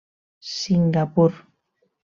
Singapur.